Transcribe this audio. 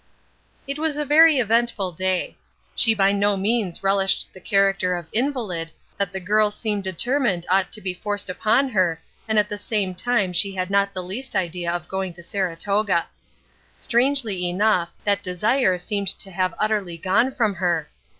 It was a very eventful day. She by no means relished the character of invalid that the girls seemed determined ought to be forced upon her and at the same time she had not the least idea of going to Saratoga. Strangely enough, that desire seemed to have utterly gone from her.